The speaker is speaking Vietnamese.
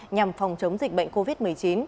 nhằm phòng chống dịch bệnh covid một mươi chín